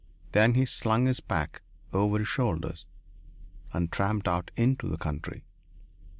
Then he slung his pack over his shoulders and tramped out into the country.